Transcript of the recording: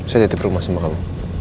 saya tetip rumah sama kamu